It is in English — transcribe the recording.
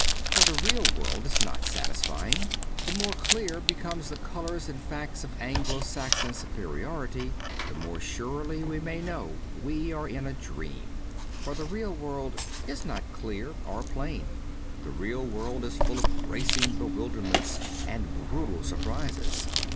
For the real world is not satisfying. The more clear become the colours and facts of Anglo Saxon superiority, the more surely we may know we are in a dream. For the real world is not clear or plain. The real world is full of bracing bewilderments and brutal sur prises.